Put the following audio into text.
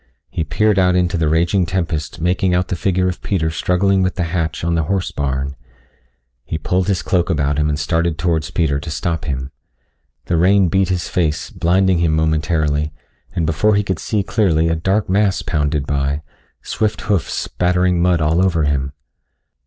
He peered out into the raging tempest making out the figure of Peter struggling with the hatch on the horse barn. He pulled his cloak about him and started towards Peter to stop him. The rain beat his face, blinding him momentarily, and before he could see clearly a dark mass pounded by, swift hoofs spattering mud all over him.